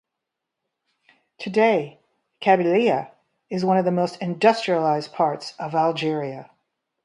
Today Kabylia is one of the most industrialised parts of Algeria.